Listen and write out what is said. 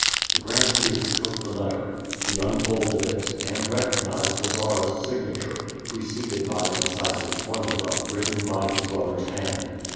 The Grand Duke took the letter. He unfolded it and recognized the Czar's signature, preceded by the decisive formula, written by his brother's hand.